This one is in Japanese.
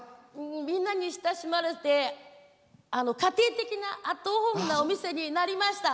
みんなに親しまれて、家庭的なアットホームなお店になりました。